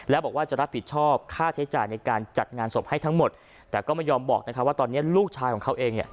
แล้วบอกว่าจะรับผิดชอบค่าใช้จ่ายในการจัดงานศพให้ทั้งหมดแต่ก็ไม่ยอมบอกว่าตอนนี้ลูกชายของเขาเองเนี่ย